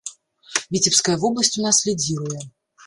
Віцебская вобласць у нас лідзіруе.